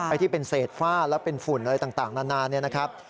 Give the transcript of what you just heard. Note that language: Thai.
ที่เป็นเศษฝ้าแล้วเป็นฝุ่นอะไรต่างนานเนี่ยนะครับ